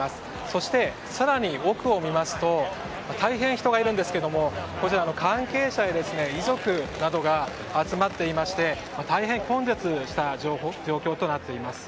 そして更に奥を見ますと大変、人がいるんですけどこちら、関係者や遺族などが集まっていまして大変混雑した状況となっています。